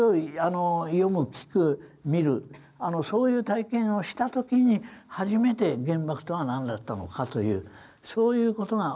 そういう体験をした時に初めて原爆とは何だったのかというそういう事が分かるわけですね。